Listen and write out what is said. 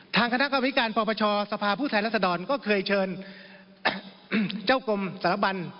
ทางคณะกรรมวิการปปชสภาพผู้แทนรัศดรก็เคยเชิญเจ้ากรมสารบัน